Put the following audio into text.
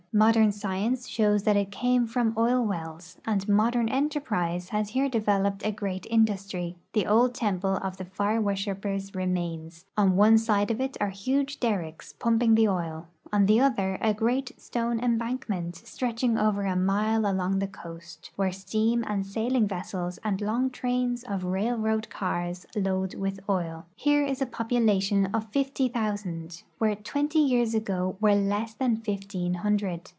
Modern science shoAvs that it came from oil wells, and modern enterprise has here de veloped a great industry. The old temple of the fire worshipers remains; on one side of it are huge derricks, ijumping tlie oil ; on the other, a great stone embankment, stretching over a mile along the coast, where steam and sailing vessels and long trains of railroad cars load Avith oil. Here is a population of fifty thousand, Avhere tAventy years ago Avere less than fifteen hun dred.